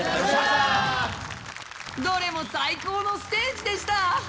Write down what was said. どれも最高のステージでした。